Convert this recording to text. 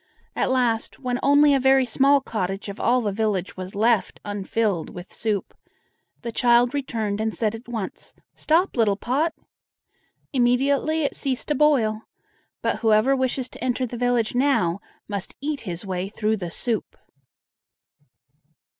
At last, when only a very small cottage of all the village was left unfilled with soup, the child returned and said at once: "Stop, little pot!" Immediately it ceased to boil; but whoever wishes to enter the village now must eat his way through the soup!!!